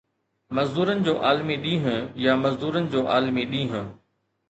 مزدورن جو عالمي ڏينهن يا مزدورن جو عالمي ڏينهن